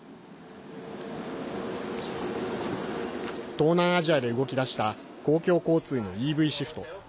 東南アジアで動き出した公共交通のＥＶシフト。